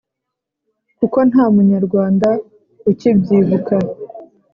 kuko nta munyarwanda ukibyibuka,